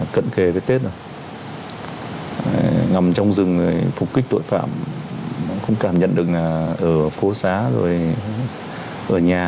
cận kề với tết ngầm trong rừng phục kích tội phạm không cảm nhận được là ở phố xá rồi ở nhà